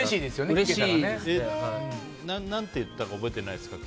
何て言ったか覚えていないですか？